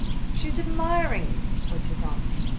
"She is admiring you," was his answer.